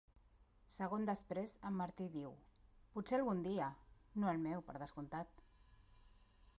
Segon després, en Martin diu: "Potser algun dia; no el meu, per descomptat".